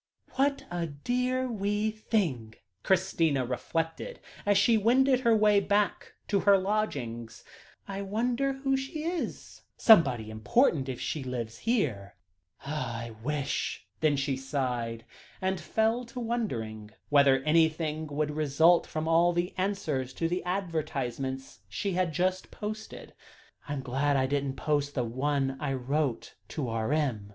"What a dear wee thing!" Christina reflected, as she wended her way back to her lodgings. "I wonder who she is. Somebody important, if she lives here. I wish " then she sighed and fell to wondering whether anything would result from all the answers to the advertisements she had just posted. "I'm glad I didn't post the one I wrote to R.M.